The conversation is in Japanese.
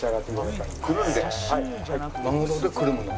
マグロでくるむの？